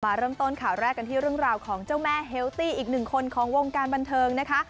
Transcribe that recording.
เริ่มต้นข่าวแรกกันที่เรื่องราวของเจ้าแม่เฮลตี้อีกหนึ่งคนของวงการบันเทิงนะคะ